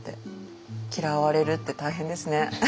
嫌われるって大変ですね。